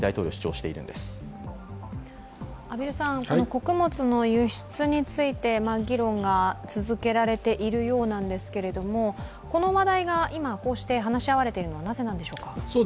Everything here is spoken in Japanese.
穀物の輸出について議論が続けられているようですがこの話題が今、こうして話し合われているのはなぜなんでしょうか？